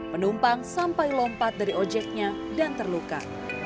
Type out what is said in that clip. penumpang sampai lompat dari ojeknya dan terluka